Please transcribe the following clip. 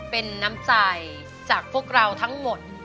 เป็นน้ำใจจากพวกเราทั้งหมด